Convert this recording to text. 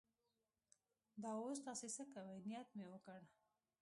دا اوس تاسې څه کوئ؟ نیت مې وکړ.